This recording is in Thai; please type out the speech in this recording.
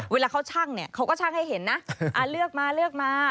เวลาเขาชั่งเนี่ยเขาก็ช่างให้เห็นนะเลือกมาเลือกมา